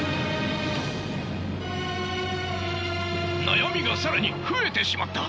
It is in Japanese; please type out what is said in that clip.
悩みが更に増えてしまった！